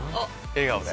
笑顔で。